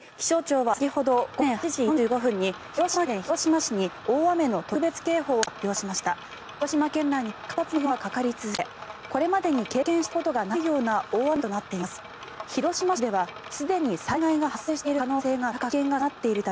気象庁は先ほど、午前８時４５分に広島県広島市に大雨の特別警報を発表しました。